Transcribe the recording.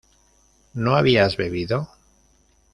¿no habías bebido?